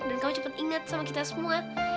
dan kamu cepat inget sama kita semua